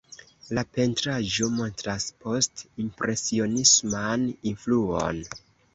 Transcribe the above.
La pentraĵo montras post-impresionisman influon.